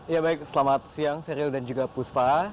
ya baik selamat siang seril dan juga puspa